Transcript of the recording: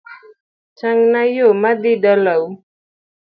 Tangna yoo madhi dala u